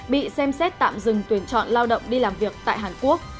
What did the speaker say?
bị xem xét tạm dừng tuyển chọn lao động đi làm việc tại hàn quốc